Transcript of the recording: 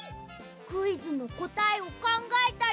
クイズのこたえをかんがえたり。